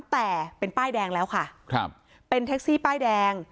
แต่เป็นป้ายแดงแล้วค่ะครับเป็นแท็กซี่ป้ายแดง